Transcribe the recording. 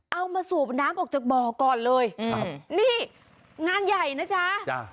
มาสูบน้ำออกจากบ่อก่อนเลยครับนี่งานใหญ่นะจ๊ะจ้ะ